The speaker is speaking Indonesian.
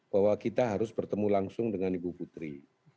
bahwa kita harus bertemu langsung dengan ibu putri